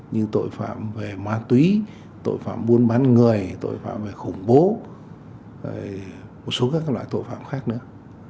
như tội phạm về ma túy tội phạm buôn bán người tội phạm về khủng bố một số các loại tội phạm khác nữa